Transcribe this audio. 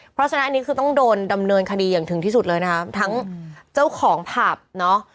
เพราะฉะนั้นอันนี้คือต้องโดนดำเนินคดีอย่างถึงที่สุดเลยนะครับทั้งเจ้าของผับเนาะ